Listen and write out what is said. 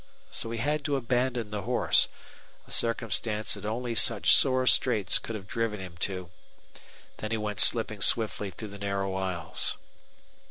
So he had to abandon the horse a circumstance that only such sore straits could have driven him to. Then he went slipping swiftly through the narrow aisles.